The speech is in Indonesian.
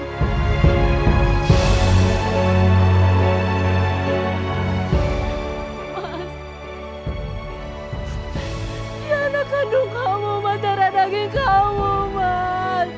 mas dia anak kandung kamu mas jara daging kamu mas